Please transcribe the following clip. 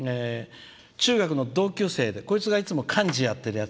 中学の同級生でこいつもがいつも幹事やってる。